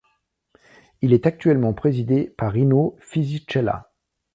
Il est actuellement présidé par Rino Fisichella.